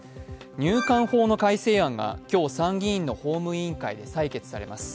入管法の改正案が今日、参議院の法務委員会で採決されます。